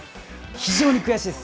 非常に悔しいです。